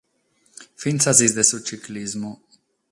Fintzas sas de su tziclismu.